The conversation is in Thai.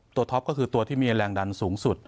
ท็อปก็คือตัวที่มีแรงดันสูงสุด